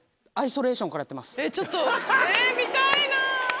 ちょっとえっ見たいな。